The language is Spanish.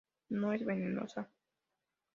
No es venenosa.